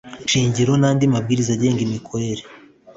shingiro n andi mabwiriza agenga imikorere